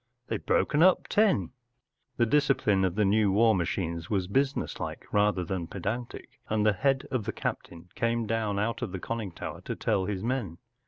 They’ve broken up Ten 1 ” The discipline of the new war machines was business like rather than pedantic, and the head of the captain came down out of the conning tower to tell his men.